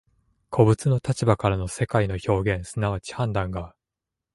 個物の立場からの世界の表現即ち判断が、